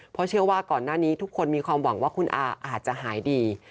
เพราะเชื่อว่าก่อนหน้านี้ทุกคนมีความหวังว่าคุณอาอาจจะหายดี